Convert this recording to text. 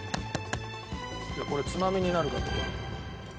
これつまみになるからこれ。